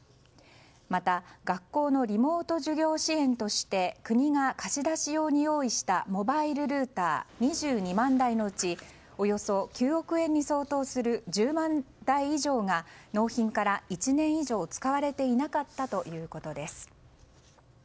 また、学校のリモート授業支援として国が貸し出し用に用意したモバイルルーター２２万台のうちおよそ９億円に相当する１０万台以上が納品から１年以上使われていなかったということです。